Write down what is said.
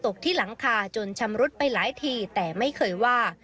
ที่หลังคาจนชำรุดไปหลายทีแต่ไม่เคยว่า